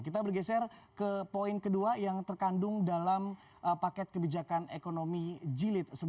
kita bergeser ke poin kedua yang terkandung dalam paket kebijakan ekonomi jilid sebelas